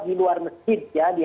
di luar masjid